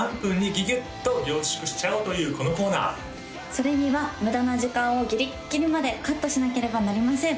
それには無駄な時間をギリッギリまでカットしなければなりません